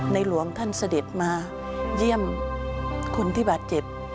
หลวงท่านเสด็จมาเยี่ยมคนที่บาดเจ็บ